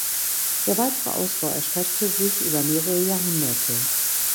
Der weitere Ausbau erstreckte sich über mehrere Jahrhunderte.